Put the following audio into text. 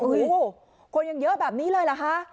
โอ้โหคนยังเยอะแบบนี้เลยเหรอคะ